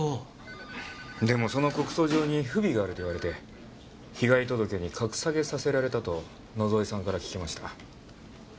でもその告訴状に不備があると言われて被害届に格下げさせられたと野添さんから聞きました。